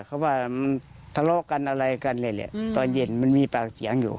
เขาว่ามันทะเลาะกันอะไรกันเลยแหละตอนเย็นมันมีปากเสียงอยู่